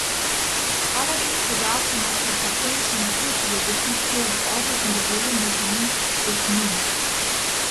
Allerdings bedarf sie nach der platonischen Naturphilosophie zur geordneten Bewegung der Vernunft, des Nous.